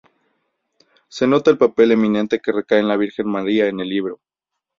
Se nota el papel eminente que recae en la Virgen María en el libro.